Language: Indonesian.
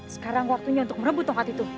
sekarang waktunya untuk merebut tongkat itu